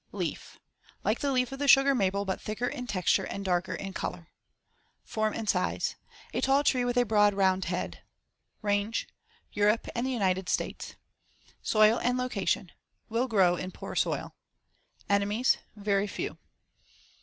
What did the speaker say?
] Leaf: Like the leaf of the sugar maple but thicker in texture and darker in color. Fig. 35. Form and size: A tall tree with a broad, round head. Range: Europe and the United States. Soil and location: Will grow in poor soil. Enemies: Very few.